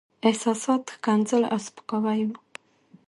احساسات، ښکنځل او سپکاوي وو.